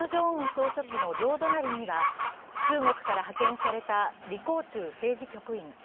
総書記の両隣には中国から派遣された李鴻忠政治局員。